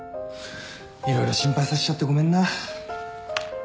色々心配させちゃってごめんな。